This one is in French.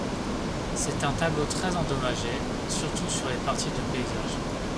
C'est un tableau très endommagé, surtout sur les parties de paysage.